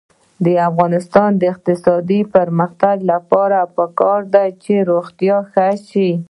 د افغانستان د اقتصادي پرمختګ لپاره پکار ده چې روغتیا ښه شي.